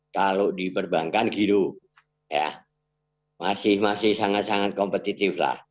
kalau di perbankan kita masih sangat kompetitif